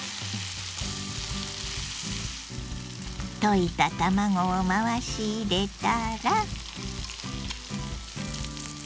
溶いた卵を回し入れたら。